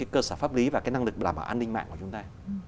cơ sở pháp lý và năng lực làm ảo an ninh mạng của chúng ta